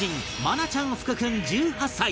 愛菜ちゃん福君１８歳